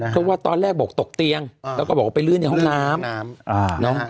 เพราะว่าตอนแรกบอกตกเตียงแล้วก็บอกว่าไปลื่นในห้องน้ำ